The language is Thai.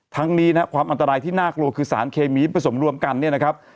นี้นะครับความอันตรายที่น่ากลัวคือสารเคมีผสมรวมกันเนี่ยนะครับ